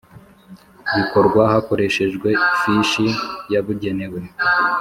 bikorwa hakoreshejwe ifishi yabugenewe